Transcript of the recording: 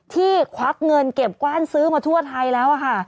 ควักเงินเก็บกว้านซื้อมาทั่วไทยแล้วค่ะ